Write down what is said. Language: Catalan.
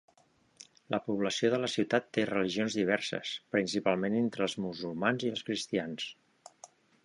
La població de la ciutat té religions diverses, principalment entre els musulmans i els cristians.